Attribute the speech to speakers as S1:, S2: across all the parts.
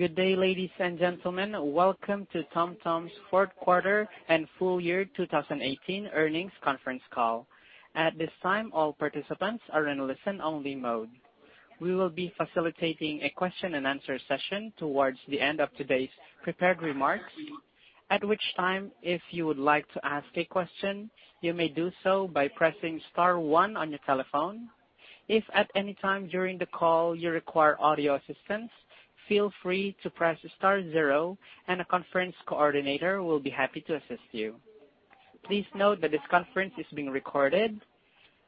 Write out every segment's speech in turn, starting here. S1: Good day, ladies and gentlemen. Welcome to TomTom's fourth quarter and full year 2018 earnings conference call. At this time, all participants are in listen only mode. We will be facilitating a question and answer session towards the end of today's prepared remarks, at which time, if you would like to ask a question, you may do so by pressing star one on your telephone. If at any time during the call you require audio assistance, feel free to press star zero and a conference coordinator will be happy to assist you. Please note that this conference is being recorded.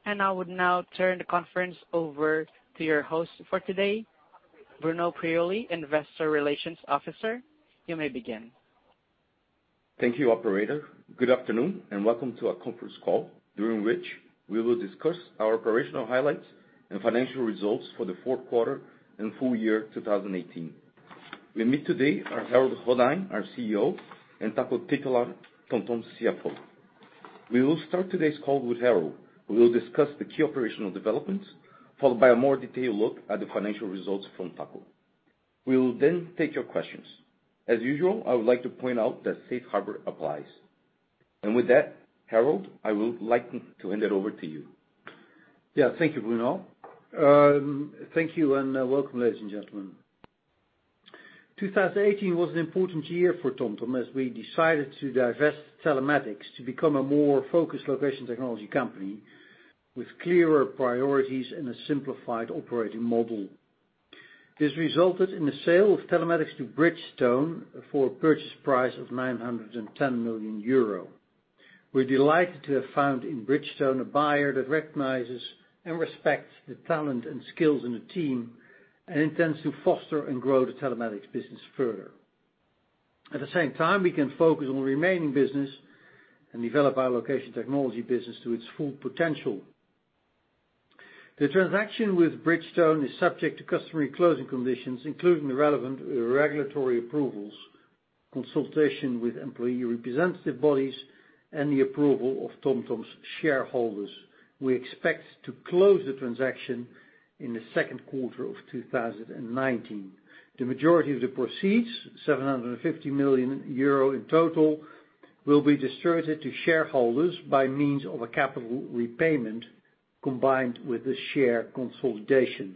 S1: I would now turn the conference over to your host for today, Bruno Priuli, Investor Relations Officer. You may begin.
S2: Thank you, operator. Good afternoon. Welcome to our conference call during which we will discuss our operational highlights and financial results for the fourth quarter and full year 2018. With me today are Harold Goddijn, our CEO, and Taco Titulaer, TomTom's CFO. We will start today's call with Harold, who will discuss the key operational developments, followed by a more detailed look at the financial results from Taco. We will take your questions. As usual, I would like to point out that Safe Harbor applies. With that, Harold, I would like to hand it over to you.
S3: Thank you, Bruno. Thank you. Welcome, ladies and gentlemen. 2018 was an important year for TomTom as we decided to divest Telematics to become a more focused location technology company with clearer priorities and a simplified operating model. This resulted in the sale of Telematics to Bridgestone for a purchase price of 910 million euro. We are delighted to have found in Bridgestone a buyer that recognizes and respects the talent and skills in the team and intends to foster and grow the Telematics business further. At the same time, we can focus on remaining business and develop our location technology business to its full potential. The transaction with Bridgestone is subject to customary closing conditions, including the relevant regulatory approvals, consultation with employee representative bodies, and the approval of TomTom's shareholders. We expect to close the transaction in the second quarter of 2019. The majority of the proceeds, 750 million euro in total, will be distributed to shareholders by means of a capital repayment combined with the share consolidation.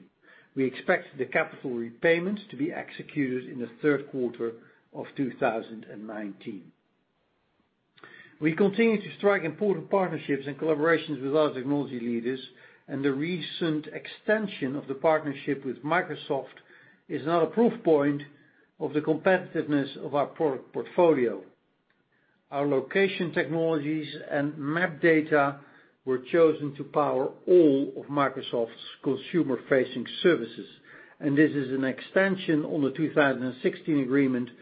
S3: We expect the capital repayments to be executed in the third quarter of 2019. We continue to strike important partnerships and collaborations with other technology leaders. The recent extension of the partnership with Microsoft is another proof point of the competitiveness of our product portfolio. Our location technologies and map data were chosen to power all of Microsoft's consumer-facing services. This is an extension on the 2016 agreement that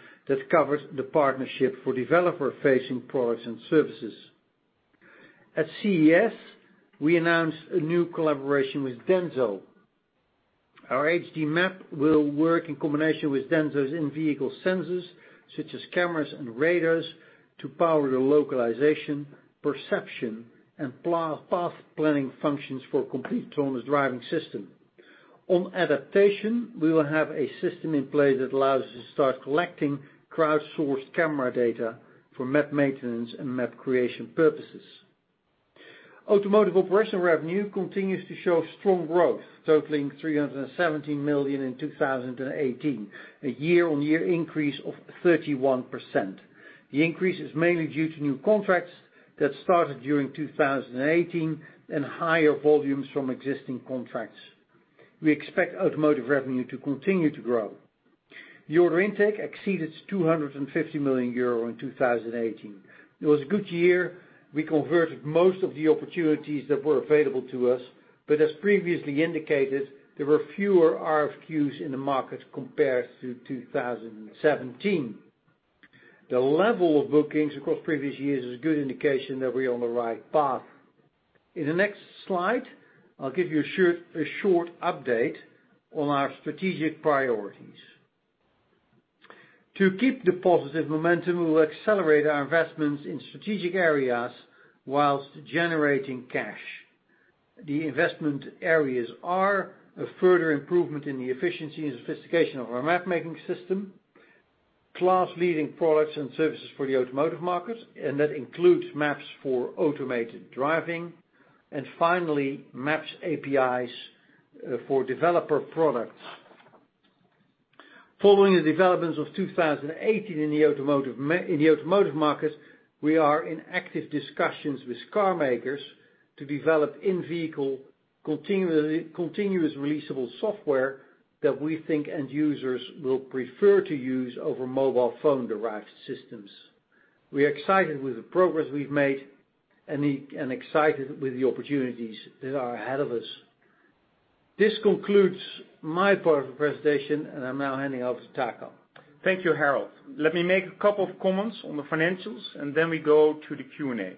S3: covers the partnership for developer-facing products and services. At CES, we announced a new collaboration with Denso. Our HD Map will work in combination with Denso's in-vehicle sensors, such as cameras and radars, to power the localization, perception, and path planning functions for a complete autonomous driving system. On adaptation, we will have a system in place that allows us to start collecting crowdsourced camera data for map maintenance and map creation purposes. Automotive operational revenue continues to show strong growth, totaling 317 million in 2018, a year-on-year increase of 31%. The increase is mainly due to new contracts that started during 2018 and higher volumes from existing contracts. We expect Automotive revenue to continue to grow. The order intake exceeded 250 million euro in 2018. It was a good year. We converted most of the opportunities that were available to us, but as previously indicated, there were fewer RFQs in the market compared to 2017. The level of bookings across previous years is a good indication that we're on the right path. In the next slide, I'll give you a short update on our strategic priorities. To keep the positive momentum, we will accelerate our investments in strategic areas while generating cash. The investment areas are a further improvement in the efficiency and sophistication of our map-making system, class-leading products and services for the automotive market, and that includes maps for automated driving, and finally, maps APIs, for developer products. Following the developments of 2018 in the automotive market, we are in active discussions with car makers to develop in-vehicle, continuous releasable software that we think end users will prefer to use over mobile phone-derived systems. We are excited with the progress we've made and excited with the opportunities that are ahead of us. This concludes my part of the presentation, and I'm now handing over to Taco.
S4: Thank you, Harold. Let me make a couple of comments on the financials, then we go to the Q&A.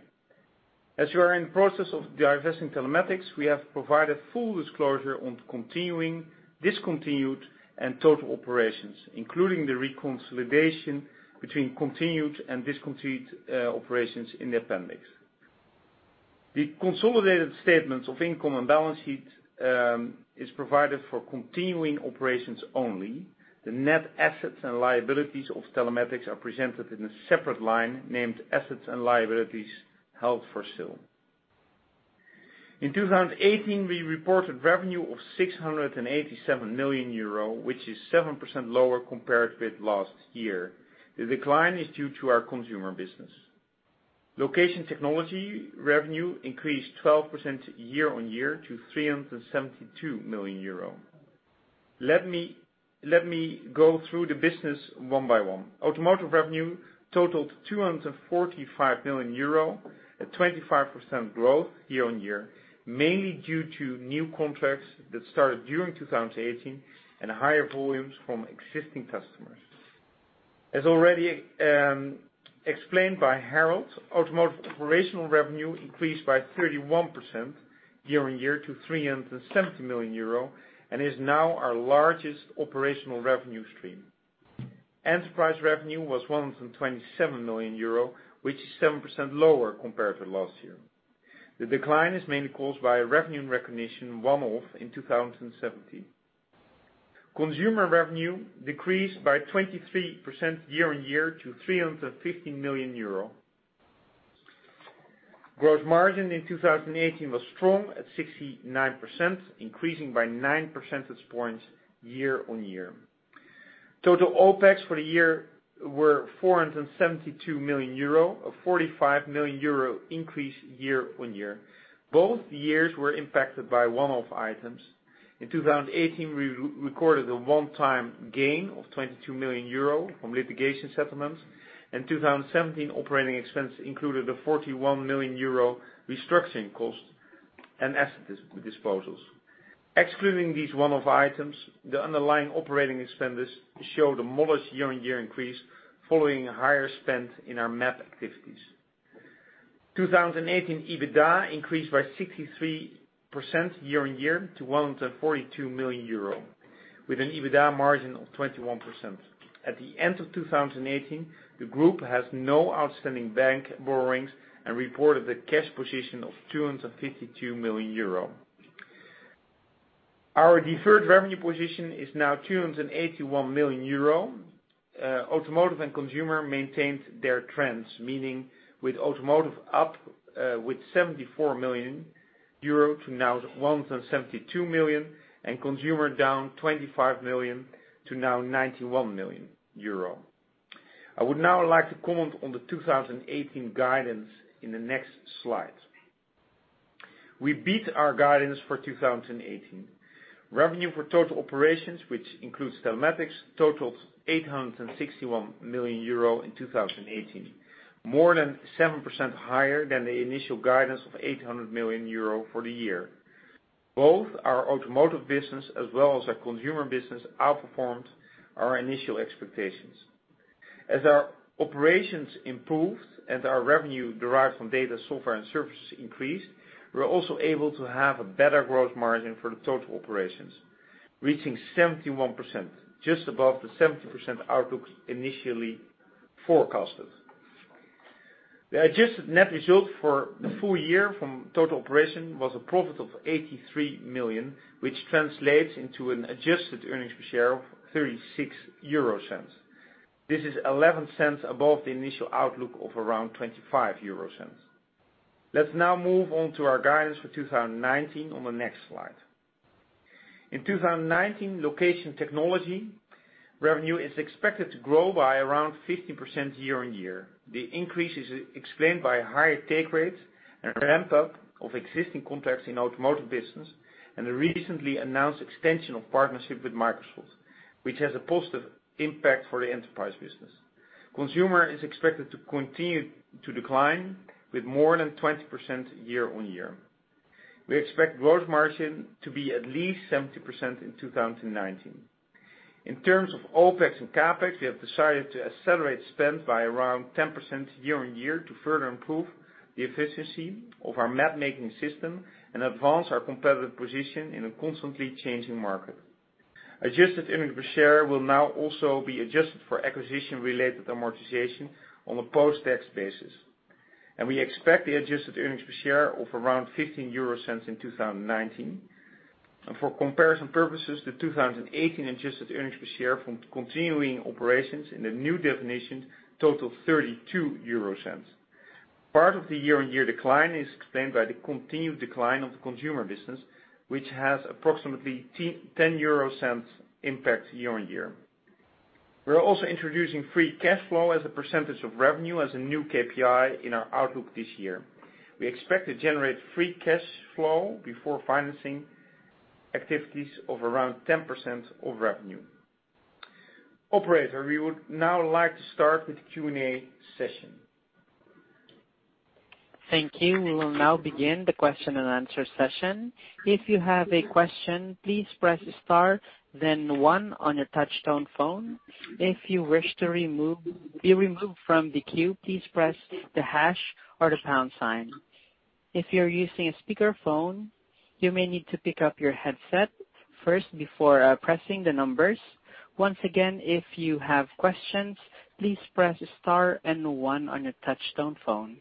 S4: As you are in the process of divesting Telematics, we have provided full disclosure on continuing, discontinued, and total operations, including the reconsolidation between continued and discontinued operations in the appendix. The consolidated statements of income and balance sheet is provided for continuing operations only. The net assets and liabilities of Telematics are presented in a separate line, named assets and liabilities held for sale. In 2018, we reported revenue of 687 million euro, which is 7% lower compared with last year. The decline is due to our consumer business. Location Technology revenue increased 12% year-on-year to 372 million euro. Let me go through the business one by one. Automotive revenue totaled 245 million euro, a 25% growth year-on-year, mainly due to new contracts that started during 2018 and higher volumes from existing customers. As already explained by Harold, Automotive operational revenue increased by 31% year-on-year to 317 million euro, is now our largest operational revenue stream. Enterprise revenue was 127 million euro, which is 7% lower compared to last year. The decline is mainly caused by a revenue recognition one-off in 2017. Consumer revenue decreased by 23% year-on-year to 315 million euro. Gross margin in 2018 was strong at 69%, increasing by 9 percentage points year-on-year. Total OpEx for the year were 472 million euro, a 45 million euro increase year-on-year. Both years were impacted by one-off items. In 2018, we recorded a one-time gain of 22 million euro from litigation settlements. In 2017, operating expenses included a 41 million euro restructuring cost and asset disposals. Excluding these one-off items, the underlying operating expenditures show a modest year-on-year increase following a higher spend in our map activities. 2018 EBITDA increased by 63% year-on-year to 142 million euro, with an EBITDA margin of 21%. At the end of 2018, the group has no outstanding bank borrowings and reported a cash position of 252 million euro. Our deferred revenue position is now 281 million euro. Automotive and Consumer maintained their trends, meaning with Automotive up with 74 million euro to now 172 million. Consumer down 25 million to now 91 million euro. I would now like to comment on the 2018 guidance in the next slide. We beat our guidance for 2018. Revenue for total operations, which includes Telematics, totaled 861 million euro in 2018. More than 7% higher than the initial guidance of 800 million euro for the year. Both our Automotive business as well as our Consumer business outperformed our initial expectations. As our operations improved and our revenue derived from data software and services increased, we were also able to have a better growth margin for the total operations, reaching 71%, just above the 70% outlook initially forecasted. The adjusted net result for the full year from total operation was a profit of 83 million, which translates into an adjusted earnings per share of 0.36. This is 0.11 above the initial outlook of around 0.25. Let's now move on to our guidance for 2019 on the next slide. In 2019, Location Technology revenue is expected to grow by around 15% year-on-year. The increase is explained by higher take rates and a ramp up of existing contracts in Automotive business, and the recently announced extension of partnership with Microsoft, which has a positive impact for the Enterprise business. Consumer is expected to continue to decline with more than 20% year-on-year. We expect growth margin to be at least 70% in 2019. In terms of OpEx and CapEx, we have decided to accelerate spend by around 10% year-on-year to further improve the efficiency of our map making system and advance our competitive position in a constantly changing market. Adjusted earnings per share will now also be adjusted for acquisition-related amortization on a post-tax basis. We expect the adjusted earnings per share of around 0.15 in 2019. For comparison purposes, the 2018 adjusted earnings per share from continuing operations in the new definition total 0.32. Part of the year-on-year decline is explained by the continued decline of the Consumer business, which has approximately 0.10 impact year-on-year. We are also introducing free cash flow as a percentage of revenue as a new KPI in our outlook this year. We expect to generate free cash flow before financing activities of around 10% of revenue. Operator, we would now like to start with the Q&A session.
S1: Thank you. We will now begin the question and answer session. If you have a question, please press star then one on your touch-tone phone. If you wish to be removed from the queue, please press the hash or the pound sign. If you're using a speakerphone, you may need to pick up your headset. First, before pressing the numbers. Once again, if you have questions, please press star and one on your touch-tone phone.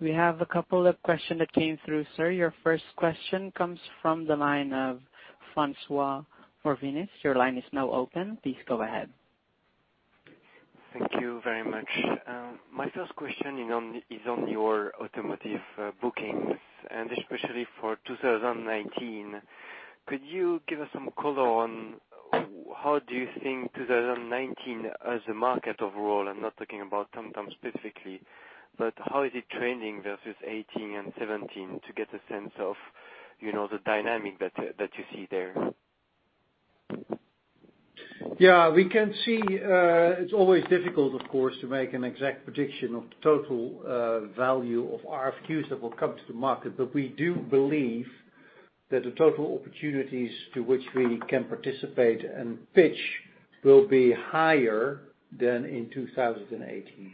S1: We have a couple of question that came through, sir. Your first question comes from the line of François Bouvignies. Your line is now open. Please go ahead.
S5: Thank you very much. My first question is on your automotive bookings, and especially for 2019. Could you give us some color on how do you think 2019 as a market overall, I'm not talking about TomTom specifically, but how is it trending versus 2018 and 2017 to get a sense of the dynamic that you see there?
S3: Yeah, we can see, it's always difficult, of course, to make an exact prediction of the total value of RFQs that will come to the market. We do believe that the total opportunities to which we can participate and pitch will be higher than in 2018.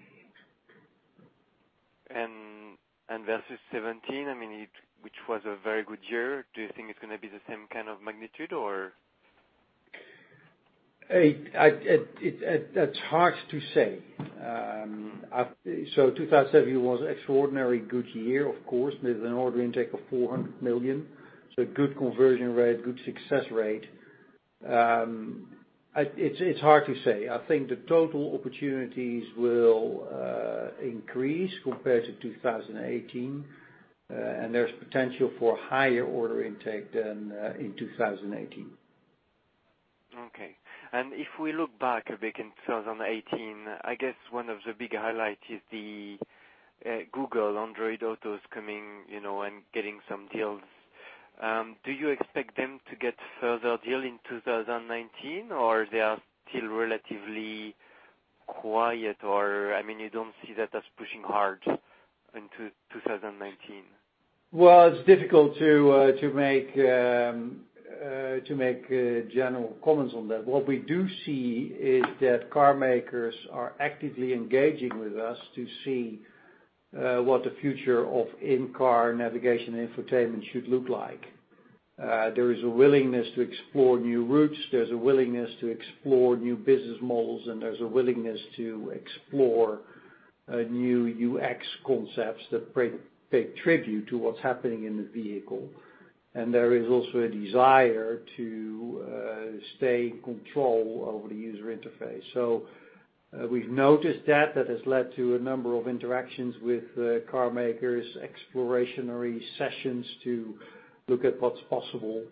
S5: Versus 2017, which was a very good year, do you think it's going to be the same kind of magnitude or?
S3: That's hard to say. 2017 was extraordinary good year, of course, with an order intake of 400 million. Good conversion rate, good success rate. It's hard to say. I think the total opportunities will increase compared to 2018, and there's potential for higher order intake than in 2018.
S5: Okay. If we look back a bit in 2018, I guess one of the big highlights is the Google Android Auto is coming, and getting some deals. Do you expect them to get further deal in 2019 or they are still relatively quiet, or, you don't see that as pushing hard into 2019?
S3: It's difficult to make general comments on that. What we do see is that car makers are actively engaging with us to see what the future of in-car navigation and infotainment should look like. There is a willingness to explore new routes, there's a willingness to explore new business models, and there's a willingness to explore new UX concepts that pay tribute to what's happening in the vehicle. There is also a desire to stay in control over the user interface. We've noticed that. That has led to a number of interactions with car makers, exploratory sessions to look at what's possible.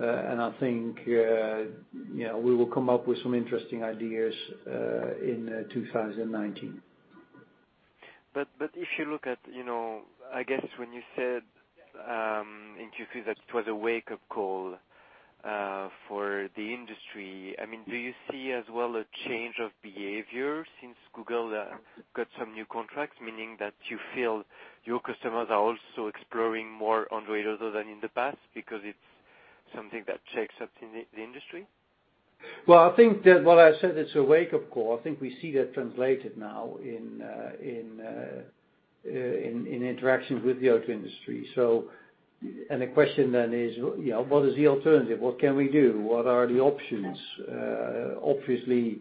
S3: I think we will come up with some interesting ideas, in 2019.
S5: If you look at, I guess when you said, in Q2 that it was a wake-up call for the industry, do you see as well a change of behavior since Google got some new contracts, meaning that you feel your customers are also exploring more Android also than in the past because it is something that shakes up in the industry?
S3: I think that what I said, it is a wake-up call. I think we see that translated now in interactions with the auto industry. The question then is, what is the alternative? What can we do? What are the options? Obviously,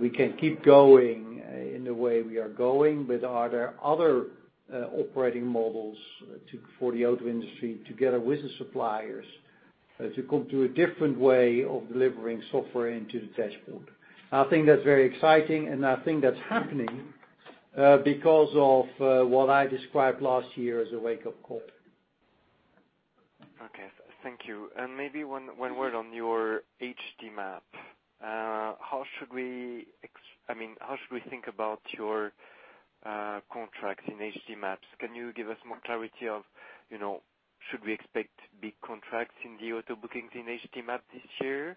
S3: we can keep going in the way we are going, but are there other operating models for the auto industry together with the suppliers to come to a different way of delivering software into the dashboard? I think that is very exciting, and I think that is happening, because of what I described last year as a wake-up call.
S5: Okay. Thank you. Maybe one word on your HD Map. How should we think about your contracts in HD Maps? Can you give us more clarity of, should we expect big contracts in the auto bookings in HD Map this year?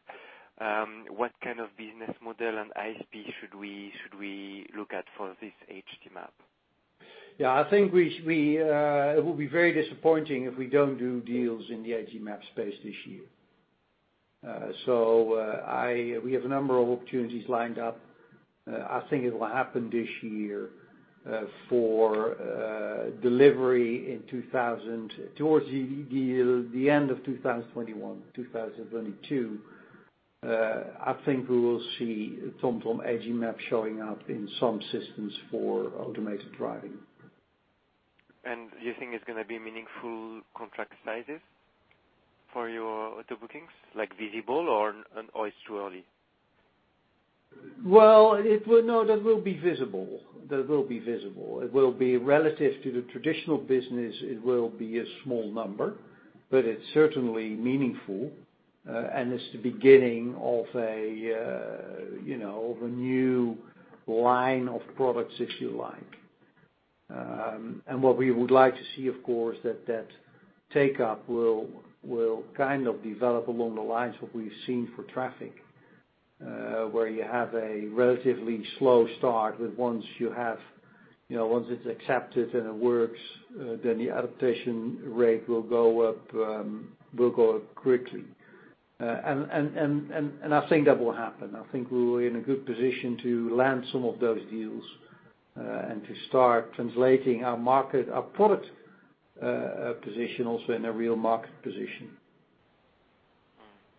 S5: What kind of business model and ASP should we look at for this HD Map?
S3: I think it will be very disappointing if we do not do deals in the HD Map space this year. We have a number of opportunities lined up. I think it will happen this year, for delivery towards the end of 2021, 2022. I think we will see TomTom HD Map showing up in some systems for automated driving.
S5: Do you think it's going to be meaningful contract sizes for your auto bookings, like visible or it's too early?
S3: Well, no, that will be visible. It will be relative to the traditional business. It will be a small number, but it's certainly meaningful. It's the beginning of a new line of products, if you like. What we would like to see, of course, that that take up will kind of develop along the lines of what we've seen for traffic, where you have a relatively slow start, but once it's accepted and it works, then the adaptation rate will go up quickly. I think that will happen. I think we're in a good position to land some of those deals, and to start translating our product position also in a real market position.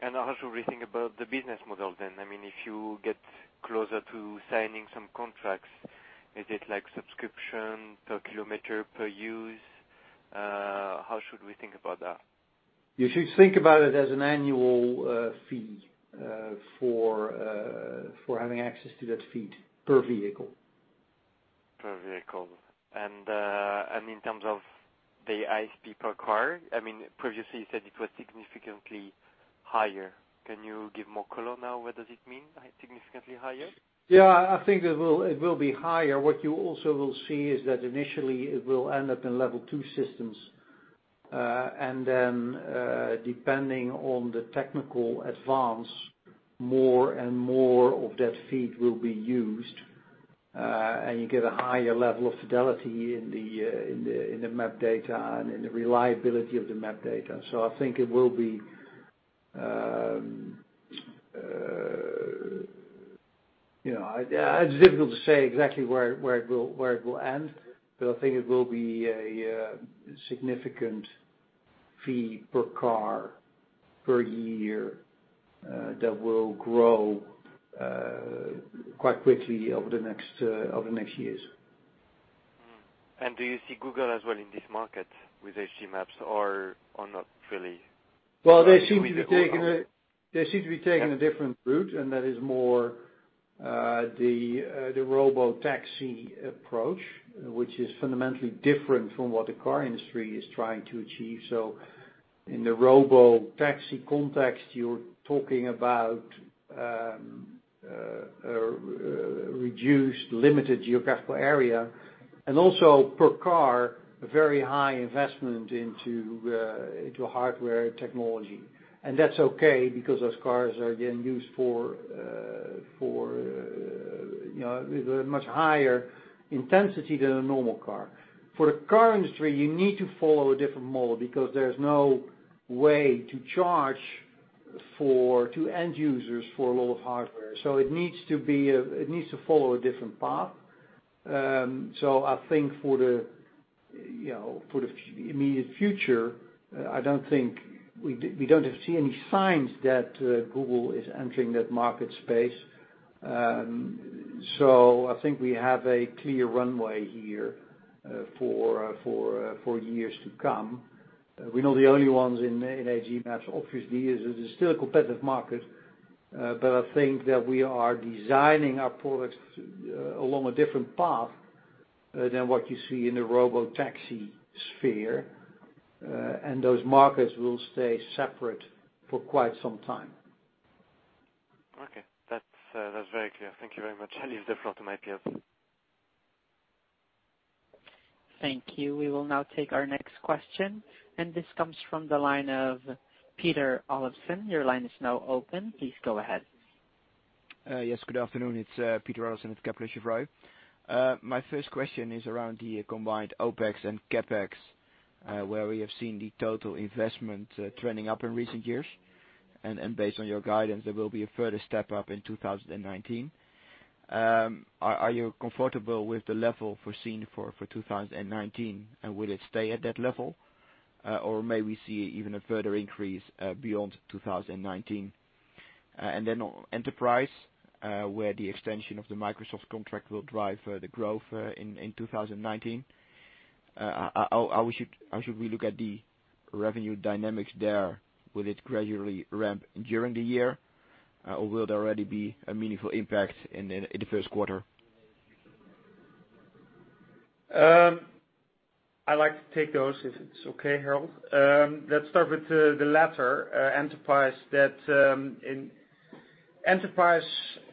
S5: How should we think about the business model then? If you get closer to signing some contracts, is it like subscription per kilometer per use? How should we think about that?
S3: You should think about it as an annual fee for having access to that feed per vehicle.
S5: Per vehicle. In terms of the ASP per car, previously you said it was significantly higher. Can you give more color now? What does it mean, significantly higher?
S3: Yeah, I think it will be higher. What you also will see is that initially it will end up in level two systems. Then, depending on the technical advance, more and more of that feed will be used, and you get a higher level of fidelity in the map data and in the reliability of the map data. I think it's difficult to say exactly where it will end, but I think it will be a significant fee per car, per year, that will grow quite quickly over the next years.
S5: Do you see Google as well in this market with HD Maps or not really?
S3: Well, they seem to be taking a different route, and that is more the robotaxi approach, which is fundamentally different from what the car industry is trying to achieve. In the robotaxi context, you're talking about reduced limited geographical area, and also per car, very high investment into hardware technology. That's okay because those cars are then used with a much higher intensity than a normal car. For the car industry, you need to follow a different model because there's no way to charge to end users for a lot of hardware. It needs to follow a different path. I think for the immediate future, we don't see any signs that Google is entering that market space. I think we have a clear runway here for years to come. We're not the only ones in HD Maps, obviously, it is still a competitive market. I think that we are designing our products along a different path than what you see in the robotaxi sphere. Those markets will stay separate for quite some time.
S5: Okay. That's very clear. Thank you very much.
S1: Thank you. We will now take our next question, this comes from the line of Peter Olofsen. Your line is now open. Please go ahead.
S6: Yes, good afternoon. It's Peter Olofsen with Kepler Cheuvreux. My first question is around the combined OpEx and CapEx, where we have seen the total investment trending up in recent years. Based on your guidance, there will be a further step up in 2019. Are you comfortable with the level foreseen for 2019, and will it stay at that level? May we see even a further increase beyond 2019? Then on Enterprise, where the extension of the Microsoft contract will drive the growth in 2019. How should we look at the revenue dynamics there? Will it gradually ramp during the year, or will there already be a meaningful impact in the first quarter?
S4: I'd like to take those if it's okay, Harold. Let's start with the latter, Enterprise. Enterprise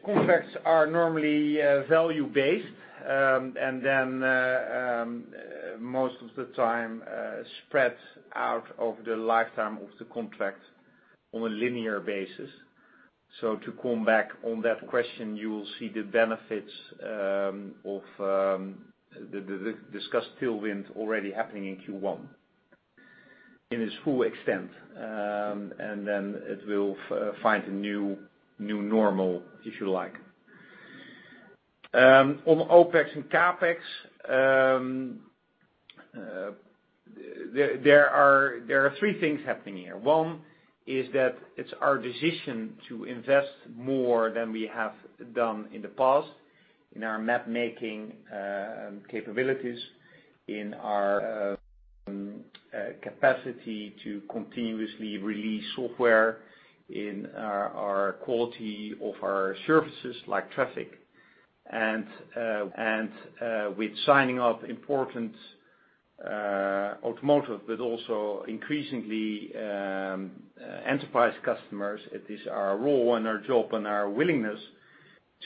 S4: contracts are normally value-based, and then, most of the time, spread out over the lifetime of the contract on a linear basis. To come back on that question, you will see the benefits of the discussed tailwind already happening in Q1 in its full extent. Then it will find a new normal, if you like. On OpEx and CapEx, there are three things happening here. One is that it's our decision to invest more than we have done in the past in our mapmaking capabilities, in our capacity to continuously release software, in our quality of our services, like traffic. With signing up important automotive, but also increasingly Enterprise customers, it is our role and our job and our willingness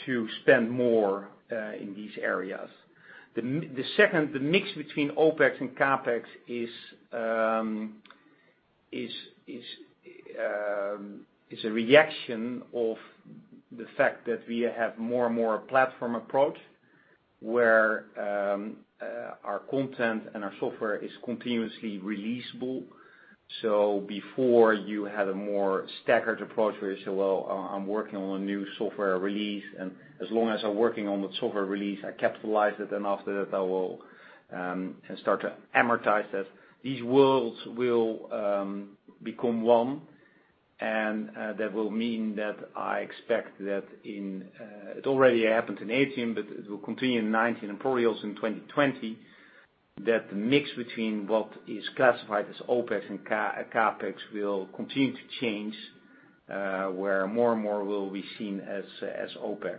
S4: to spend more in these areas. The second, the mix between OpEx and CapEx is a reaction of the fact that we have more and more platform approach where our content and our software is continuously releasable. Before, you had a more staggered approach where you say, "Well, I'm working on a new software release, and as long as I'm working on that software release, I capitalize it, and after that, I will start to amortize that." These worlds will become one, that will mean that I expect that in It already happened in 2018, but it will continue in 2019 and for reals in 2020, that the mix between what is classified as OpEx and CapEx will continue to change, where more and more will be seen as OpEx.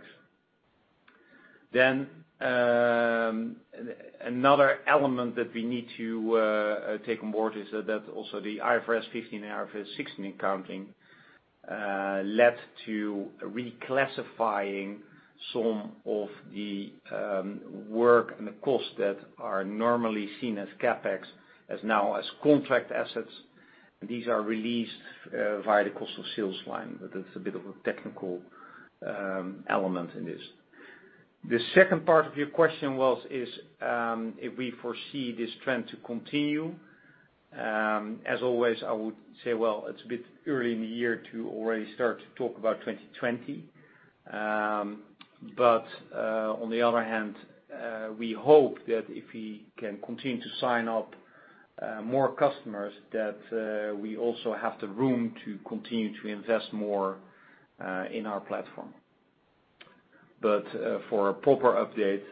S4: Another element that we need to take on board is that also the IFRS 15 and IFRS 16 accounting led to reclassifying some of the work and the costs that are normally seen as CapEx as now as contract assets. These are released via the cost of sales line, that's a bit of a technical element in this. The second part of your question was is, if we foresee this trend to continue. Always, I would say, well, it's a bit early in the year to already start to talk about 2020. On the other hand, we hope that if we can continue to sign up more customers, that we also have the room to continue to invest more in our platform. For a proper update,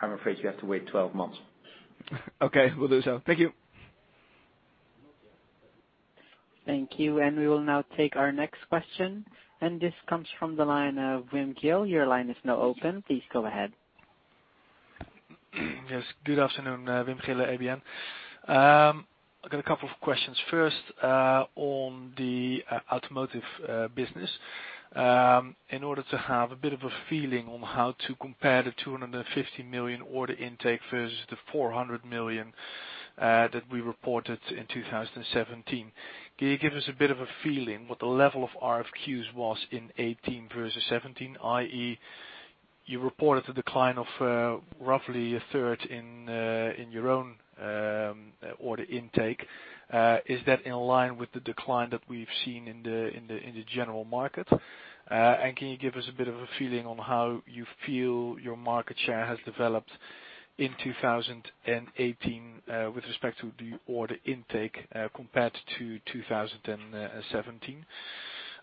S4: I'm afraid you have to wait 12 months.
S6: Okay, will do so. Thank you.
S1: Thank you. We will now take our next question. This comes from the line of Wim Gille. Your line is now open. Please go ahead.
S7: Yes. Good afternoon, Wim Gille, ABN. I have got a couple of questions. First, on the Automotive business. In order to have a bit of a feeling on how to compare the 250 million order intake versus the 400 million that we reported in 2017. Can you give us a bit of a feeling what the level of RFQs was in 2018 versus 2017, i.e., you reported a decline of roughly a third in your own order intake. Is that in line with the decline that we have seen in the general market? Can you give us a bit of a feeling on how you feel your market share has developed in 2018 with respect to the order intake, compared to 2017?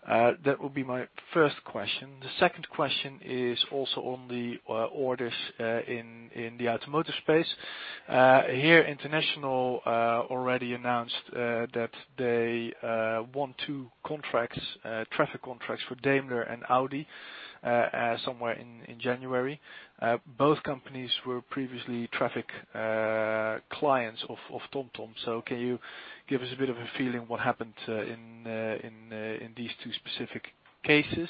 S7: That would be my first question. The second question is also on the orders in the automotive space. HERE International already announced that they won two contracts, traffic contracts for Daimler and Audi, somewhere in January. Both companies were previously traffic clients of TomTom. Can you give us a bit of a feeling what happened in these two specific cases?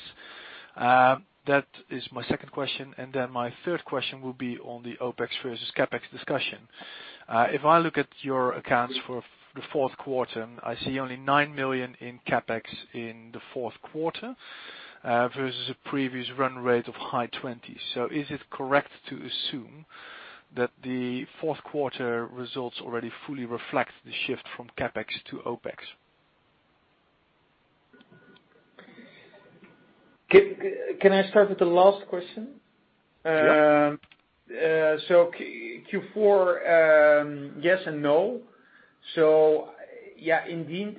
S7: That is my second question. My third question will be on the OpEx versus CapEx discussion. If I look at your accounts for the fourth quarter, I see only 9 million in CapEx in the fourth quarter versus a previous run rate of high 20 million. Is it correct to assume that the fourth quarter results already fully reflect the shift from CapEx to OpEx?
S4: Can I start with the last question?
S7: Yeah.
S4: Q4, yes and no. Yeah, indeed,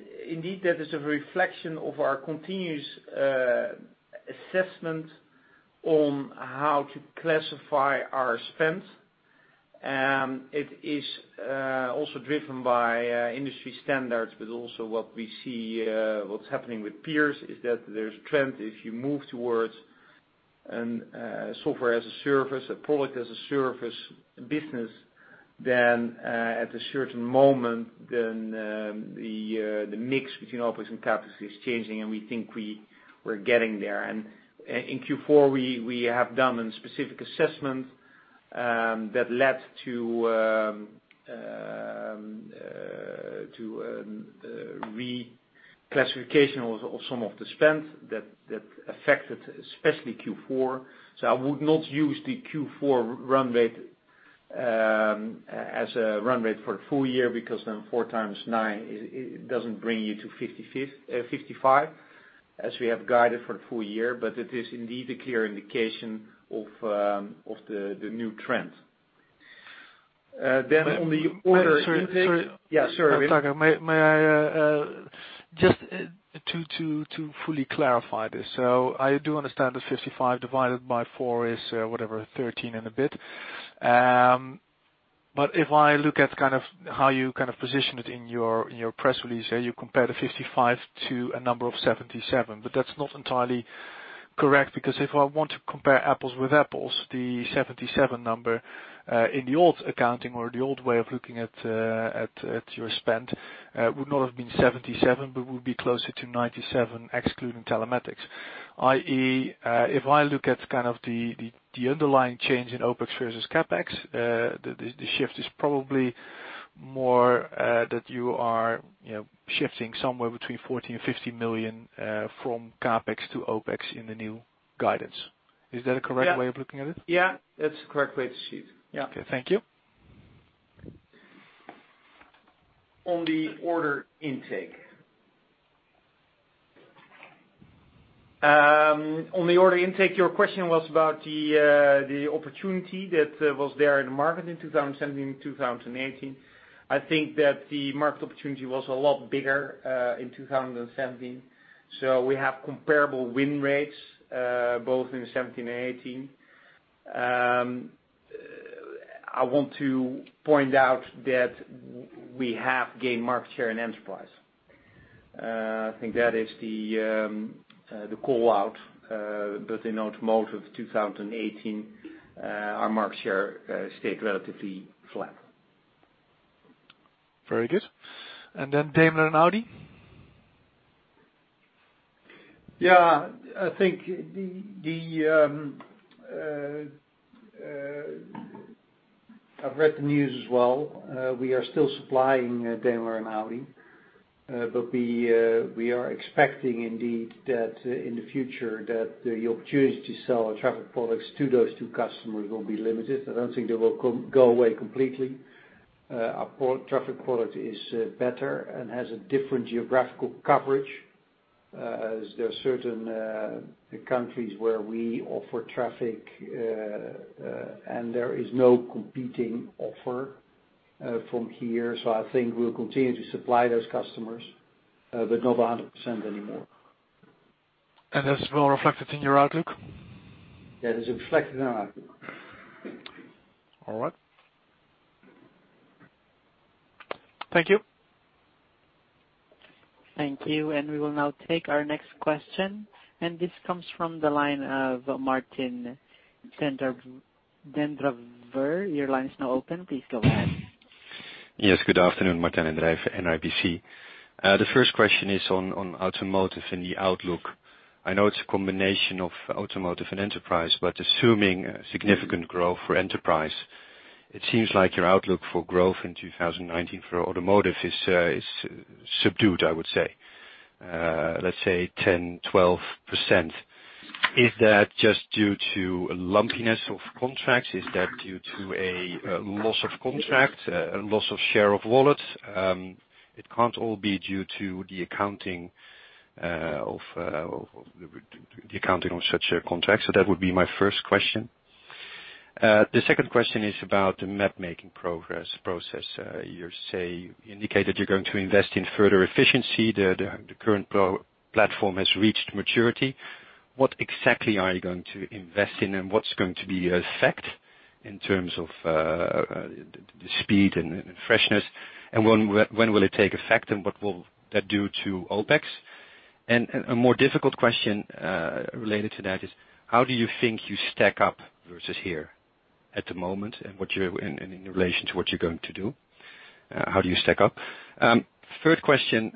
S4: that is a reflection of our continuous assessment on how to classify our spend. It is also driven by industry standards, but also what we see what's happening with peers is that there's a trend if you move towards software as a service, a product as a service business, then, at a certain moment, then the mix between OpEx and CapEx is changing, and we think we're getting there. In Q4, we have done a specific assessment, that led to reclassification of some of the spend that affected especially Q4. I would not use the Q4 run rate as a run rate for the full year because then four times nine, it doesn't bring you to 55 as we have guided for the full year. It is indeed a clear indication of the new trend. On the order intake.
S7: Sorry.
S4: Yeah, sorry Wim.
S7: Just to fully clarify this. I do understand that 55 divided by four is whatever, 13 and a bit. If I look at how you position it in your press release, you compare the 55 to a number of 77, that's not entirely correct because if I want to compare apples with apples, the 77 number, in the old accounting or the old way of looking at your spend, would not have been 77, but would be closer to 97, excluding Telematics, i.e., if I look at the underlying change in OpEx versus CapEx, the shift is probably more that you are shifting somewhere between 14 million and 15 million from CapEx to OpEx in the new guidance. Is that a correct way of looking at it?
S4: That's the correct way to see it.
S7: Okay, thank you.
S4: On the order intake, your question was about the opportunity that was there in the market in 2017, 2018. I think that the market opportunity was a lot bigger in 2017. We have comparable win rates, both in 2017 and 2018. I want to point out that we have gained market share in Enterprise. I think that is the call-out. In Automotive 2018, our market share stayed relatively flat.
S7: Very good. Daimler and Audi?
S3: I've read the news as well. We are still supplying Daimler and Audi. We are expecting indeed that in the future that the opportunity to sell our traffic products to those two customers will be limited. I don't think they will go away completely. Our traffic product is better and has a different geographical coverage, as there are certain countries where we offer traffic, and there is no competing offer from HERE. I think we'll continue to supply those customers, but not 100% anymore.
S7: That's well reflected in your outlook?
S3: That is reflected in our outlook.
S7: All right. Thank you.
S1: Thank you. We will now take our next question. This comes from the line of Martijn den Drijver. Your line is now open. Please go ahead.
S8: Yes, good afternoon. Martijn den Drijver, NIBC. The first question is on Automotive and the outlook. I know it's a combination of Automotive and Enterprise, but assuming significant growth for Enterprise, it seems like your outlook for growth in 2019 for Automotive is subdued, I would say. Let's say 10%-12%. Is that just due to a lumpiness of contracts? Is that due to a loss of contract? A loss of share of wallet? It can't all be due to the accounting of such a contract. That would be my first question. The second question is about the map making process. You indicated you're going to invest in further efficiency. The current platform has reached maturity. What exactly are you going to invest in? What's going to be the effect in terms of the speed and freshness? When will it take effect? What will that do to OpEx? A more difficult question related to that is how do you think you stack up versus HERE at the moment, and in relation to what you're going to do, how do you stack up? Third question,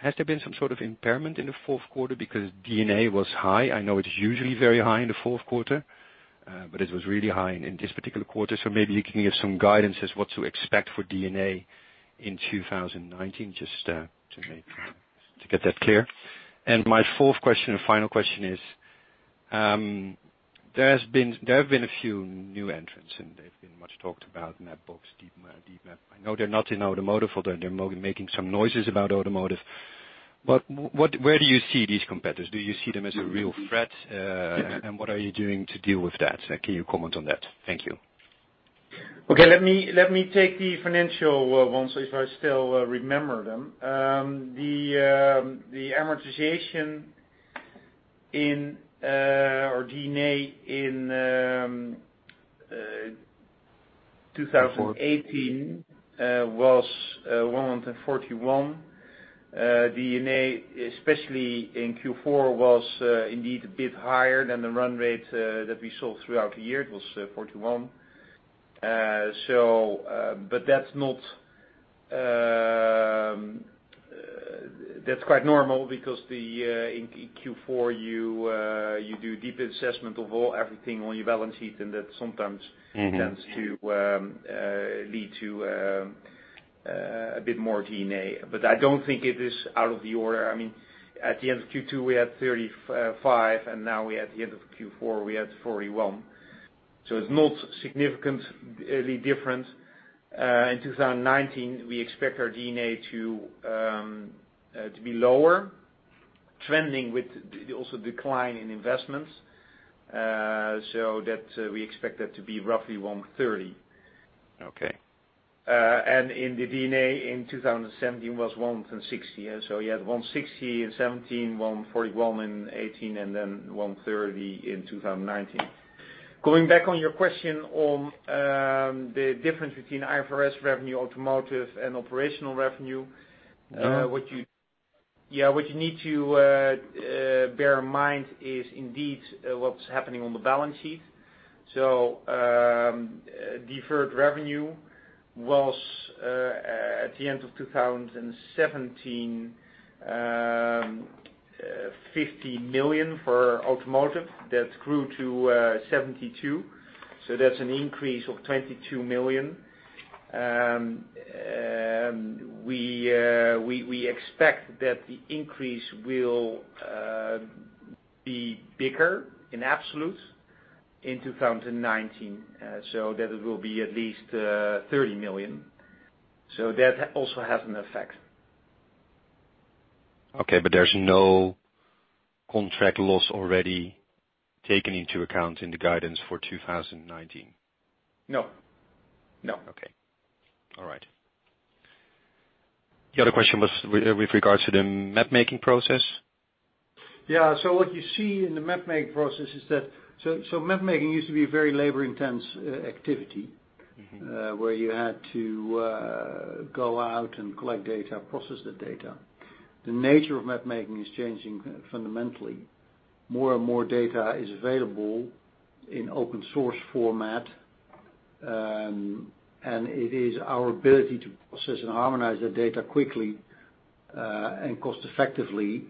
S8: has there been some sort of impairment in the fourth quarter because D&A was high? I know it's usually very high in the fourth quarter, but it was really high in this particular quarter. Maybe you can give some guidance as what to expect for D&A in 2019, just to get that clear. My fourth question and final question is, there have been a few new entrants, and they've been much talked about, Mapbox, DeepMap. I know they're not in automotive, although they're making some noises about automotive. Where do you see these competitors? Do you see them as a real threat? What are you doing to deal with that? Can you comment on that? Thank you.
S4: Okay. Let me take the financial ones, if I still remember them. The amortization or D&A in 2018 was EUR 141. D&A, especially in Q4, was indeed a bit higher than the run rate that we saw throughout the year. It was EUR 41. That's quite normal because in Q4 you do a deep assessment of everything on your balance sheet, and that sometimes tends to lead to a bit more D&A. I don't think it is out of the order. At the end of Q2, we had 35, and now we're at the end of Q4, we're at 41. It's not significantly different. In 2019, we expect our D&A to be lower, trending with also decline in investments. We expect that to be roughly 130.
S8: Okay.
S4: The D&A in 2017 was 160. You had 160 in 2017, 141 in 2018, and then 130 in 2019. Going back on your question on the difference between IFRS revenue, automotive, and operational revenue. What you need to bear in mind is indeed what's happening on the balance sheet. Deferred revenue was, at the end of 2017, 50 million for Automotive that grew to 72 million. That's an increase of 22 million. We expect that the increase will be bigger in absolute in 2019, it will be at least 30 million. That also has an effect.
S8: Okay. There's no contract loss already taken into account in the guidance for 2019?
S4: No.
S8: Okay. All right. The other question was with regards to the mapmaking process?
S3: Yeah. What you see in the mapmaking process is that mapmaking used to be a very labor-intense activity. Where you had to go out and collect data, process the data. The nature of mapmaking is changing fundamentally. More and more data is available in open source format. It is our ability to process and harmonize that data quickly, and cost effectively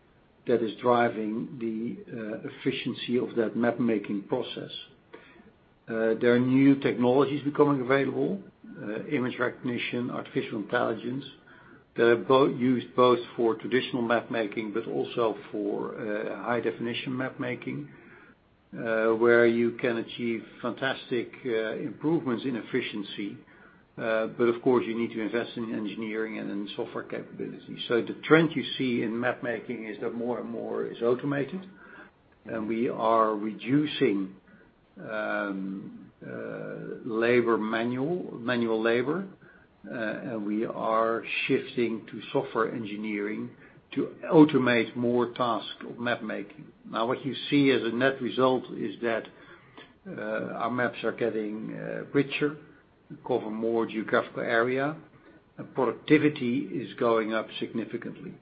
S3: that is driving the efficiency of that mapmaking process. There are new technologies becoming available, image recognition, artificial intelligence, that are used both for traditional mapmaking, but also for high-definition mapmaking, where you can achieve fantastic improvements in efficiency. Of course, you need to invest in engineering and in software capability. The trend you see in mapmaking is that more and more is automated, and we are reducing manual labor, and we are shifting to software engineering to automate more tasks of mapmaking. What you see as a net result is that our maps are getting richer, cover more geographical area, and productivity is going up significantly.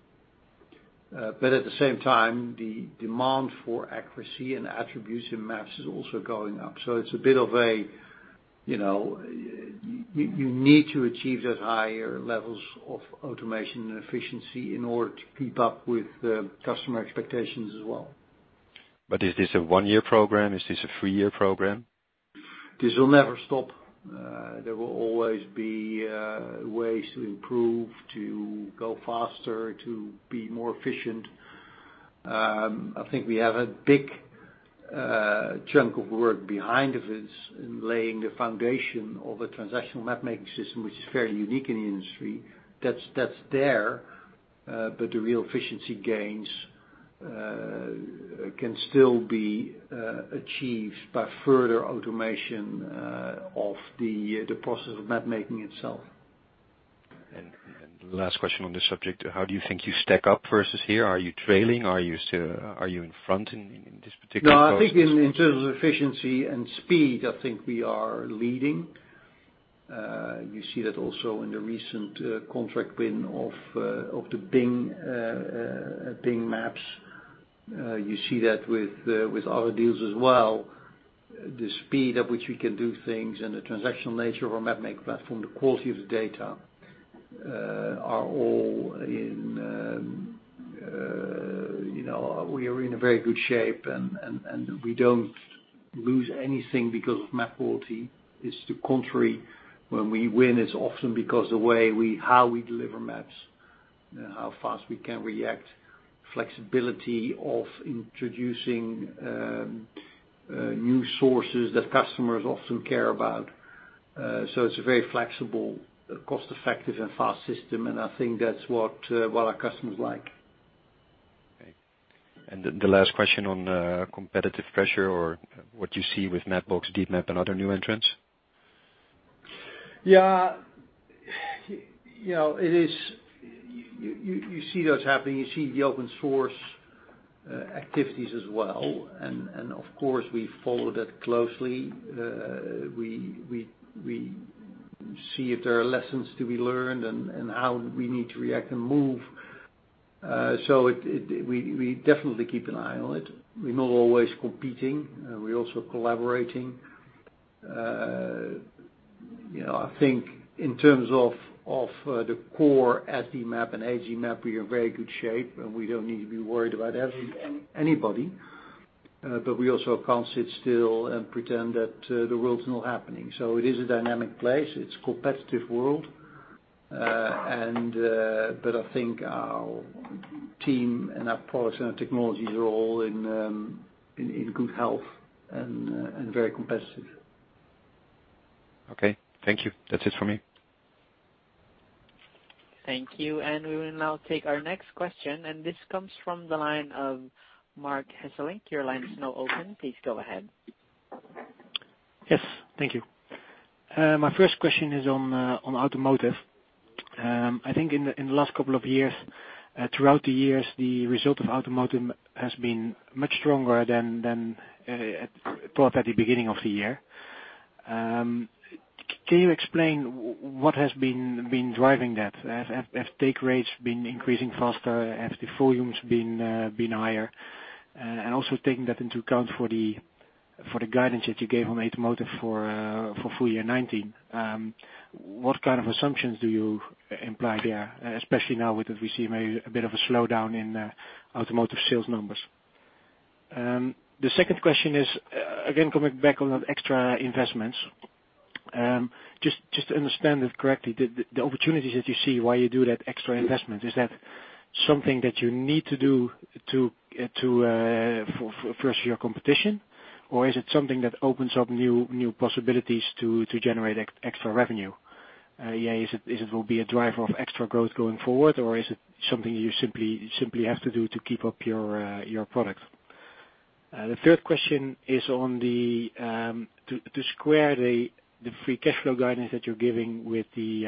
S3: At the same time, the demand for accuracy and attribution maps is also going up. You need to achieve that higher levels of automation and efficiency in order to keep up with customer expectations as well.
S8: Is this a one-year program? Is this a three-year program?
S3: This will never stop. There will always be ways to improve, to go faster, to be more efficient. I think we have a big chunk of work behind of this in laying the foundation of a transactional mapmaking system, which is very unique in the industry. That's there, but the real efficiency gains can still be achieved by further automation of the process of mapmaking itself.
S8: Last question on this subject, how do you think you stack up versus HERE? Are you trailing? Are you in front in this particular process?
S3: I think in terms of efficiency and speed, I think we are leading. You see that also in the recent contract win of the Bing Maps. You see that with other deals as well. The speed at which we can do things and the transactional nature of our mapmaking platform, the quality of the data, we are in a very good shape, and we don't lose anything because of map quality. It's the contrary. When we win, it's often because the way how we deliver maps and how fast we can react, flexibility of introducing new sources that customers often care about. It's a very flexible, cost-effective and fast system, and I think that's what our customers like.
S8: Okay. The last question on competitive pressure or what you see with Mapbox, DeepMap and other new entrants?
S3: You see those happening, you see the open source activities as well. Of course, we follow that closely. We see if there are lessons to be learned and how we need to react and move. We definitely keep an eye on it. We're not always competing. We're also collaborating. I think in terms of the core SD map and HD map, we are in very good shape, and we don't need to be worried about anybody. We also can't sit still and pretend that the world's not happening. It is a dynamic place. It's a competitive world. I think our team and our products and our technologies are all in good health and very competitive.
S8: Okay. Thank you. That's it for me.
S1: Thank you. We will now take our next question, and this comes from the line of Marc Hesselink. Your line is now open. Please go ahead.
S9: Yes. Thank you. My first question is on Automotive. I think in the last couple of years, throughout the years, the result of Automotive has been much stronger than thought at the beginning of the year. Can you explain what has been driving that? Have take rates been increasing faster? Have the volumes been higher? Also taking that into account for the guidance that you gave on Automotive for full year 2019, what kind of assumptions do you imply there? Especially now that we see maybe a bit of a slowdown in Automotive sales numbers. The second question is, again, coming back on extra investments. Just to understand it correctly, the opportunities that you see, why you do that extra investment, is that something that you need to do to traverse your competition? Or is it something that opens up new possibilities to generate extra revenue? Is it will be a driver of extra growth going forward, or is it something you simply have to do to keep up your products? The third question is to square the free cash flow guidance that you're giving with the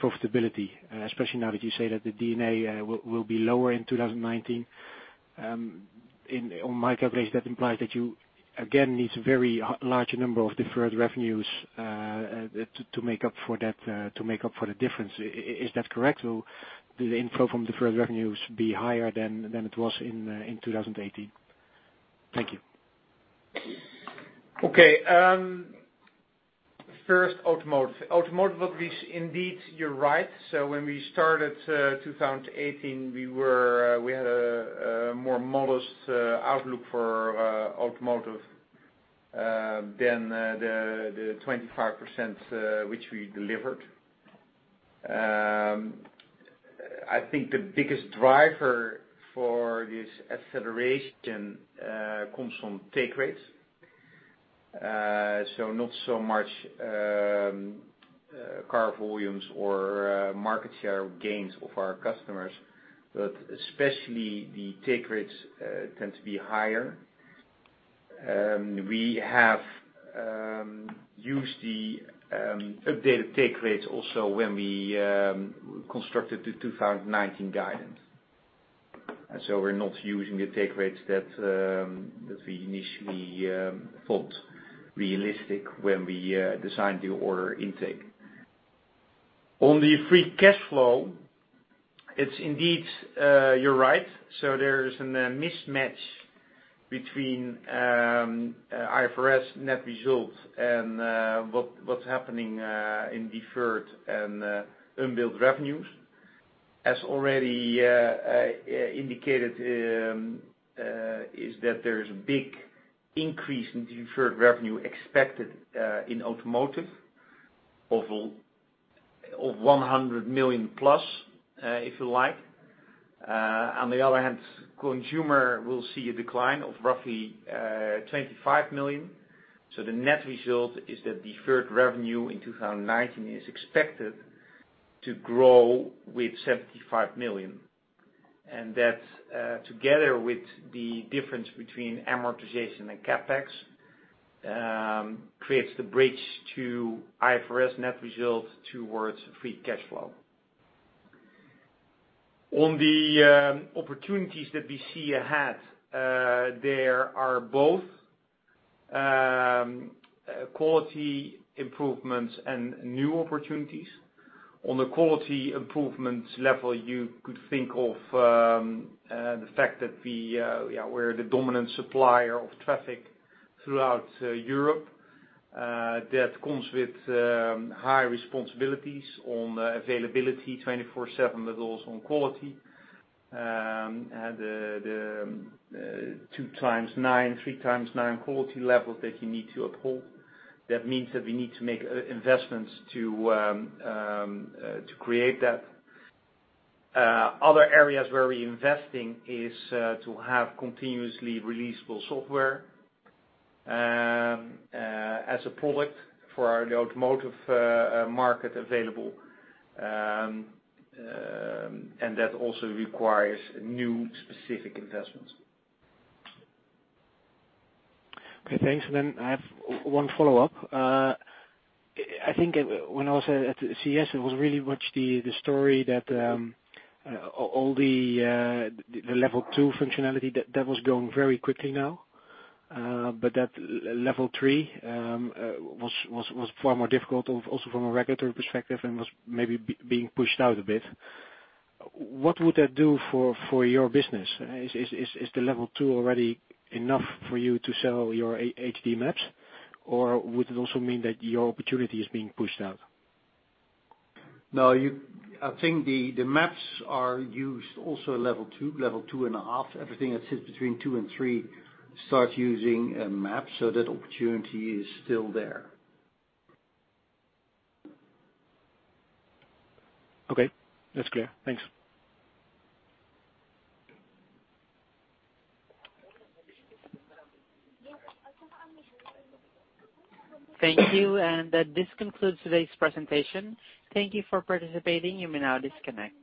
S9: profitability, especially now that you say that the D&A will be lower in 2019. On my calculation, that implies that you, again, need a very large number of deferred revenues to make up for the difference. Is that correct? Will the inflow from deferred revenues be higher than it was in 2018? Thank you.
S4: Okay. First, Automotive. Automotive, indeed, you're right. When we started 2018, we had a more modest outlook for Automotive than the 25% which we delivered. I think the biggest driver for this acceleration comes from take rates. Not so much car volumes or market share gains of our customers, but especially the take rates tend to be higher. We have used the updated take rates also when we constructed the 2019 guidance. We're not using the take rates that we initially thought realistic when we designed the order intake. On the free cash flow, indeed, you're right. There is a mismatch between IFRS net results and what's happening in deferred and unbilled revenues. As already indicated, is that there is a big increase in deferred revenue expected in automotive of 100 million+, if you like. On the other hand, consumer will see a decline of roughly 25 million. That, together with the difference between amortization and CapEx, creates the bridge to IFRS net result towards free cash flow. On the opportunities that we see ahead, there are both quality improvements and new opportunities. On the quality improvement level, you could think of the fact that we're the dominant supplier of traffic throughout Europe. That comes with high responsibilities on availability 24/7, but also on quality. The two times nine, three times nine quality levels that you need to uphold. That means that we need to make investments to create that. Other areas where we're investing is to have continuously releasable software as a product for the Automotive market available. And that also requires new specific investments.
S9: Okay, thanks. Then I have one follow-up. I think when I was at CES, it was really much the story that all the level two functionality, that was going very quickly now. That level three was far more difficult, also from a regulatory perspective, and was maybe being pushed out a bit. What would that do for your business? Is the level two already enough for you to sell your HD Map, or would it also mean that your opportunity is being pushed out?
S3: I think the maps are used also at level two, level two and a half. Everything that sits between two and three starts using a map, that opportunity is still there.
S9: Okay, that's clear. Thanks.
S1: Thank you. This concludes today's presentation. Thank you for participating. You may now disconnect.